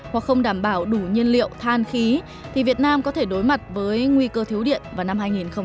hoặc không đảm bảo đủ nhiên liệu than khí thì việt nam có thể đối mặt với nguy cơ thiếu điện vào năm hai nghìn hai mươi